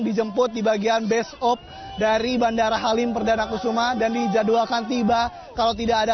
dijemput di bagian base op dari bandara halim perdana kusuma dan dijadwalkan tiba kalau tidak ada